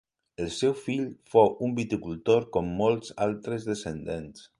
El seu fill fou un viticultor com molts altres descendents.